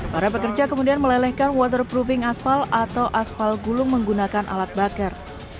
para pekerja kemudian melelehkan waterproofing aspal atau aspal gulung menggunakan alat bakar